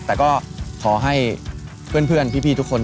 แต่ก็ขอให้เพื่อนพี่ทุกคน